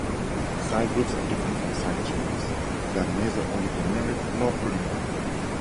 Side groups are different from side chains; they are neither oligomeric nor polymeric.